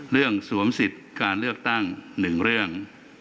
สวมสิทธิ์การเลือกตั้ง๑เรื่อง